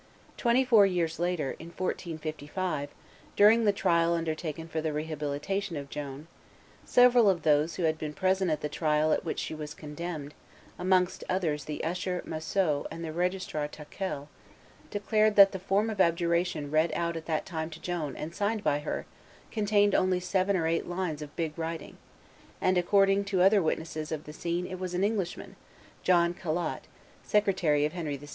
Twenty four years later, in 1455, during the trial undertaken for the rehabilitation of Joan, several of those who had been present at the trial at which she was condemned, amongst others the usher Massieu and the registrar Taquel, declared that the form of abjuration read out at that time to Joan and signed by her contained only seven or eight lines of big writing; and according to another witness of the scene it was an Englishman, John Calot, secretary of Henry VI.